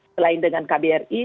selain dengan kbri